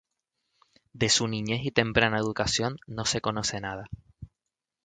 De su niñez y temprana educación no se conoce nada.